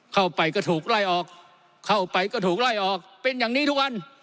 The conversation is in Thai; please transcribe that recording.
เข้าไปก็ถูกไล่ออกเข้าไปก็ถูกไล่ออกเป็นอย่างนี้ทุกวัน